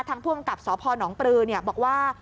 ทางผู้กำกับสพหนองปรือบอกว่า